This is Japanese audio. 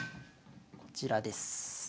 こちらです。